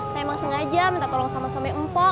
saya emang sengaja minta tolong sama suami empo